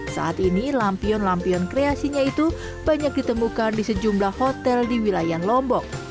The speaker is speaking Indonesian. saat ini lampion lampion kreasinya itu banyak ditemukan di sejumlah hotel di wilayah lombok